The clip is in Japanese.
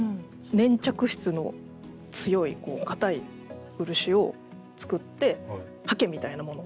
粘着質の強い硬い漆を作って刷毛みたいなもの